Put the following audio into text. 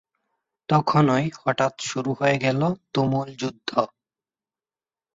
তখনই হঠাৎ শুরু হয়ে গেল তুমুল যুদ্ধ।